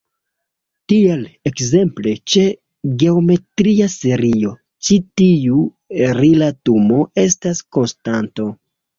Tial, ekzemple, ĉe geometria serio, ĉi tiu rilatumo estas konstanto.